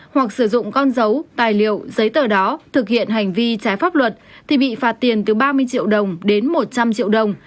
hoặc sử dụng con dấu tài liệu giấy tờ đó thực hiện hành vi trái pháp luật thì bị phạt tiền từ ba mươi triệu đồng đến một trăm linh triệu đồng